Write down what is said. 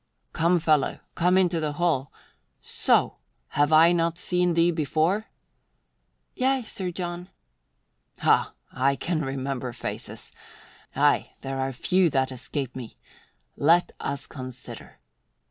"Come, fellow, come into the hall. So! Have I not seen thee before?" "Yea, Sir John." "Ha! I can remember faces. Aye, there are few that escape me. Let us consider.